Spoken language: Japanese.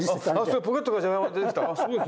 すごいポケットからじゃがいも出てきた。